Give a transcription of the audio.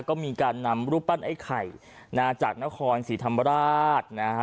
ก็มีการนำรูปปั้นไอ้ไข่นะจากนครศรีธรรมราชนะฮะ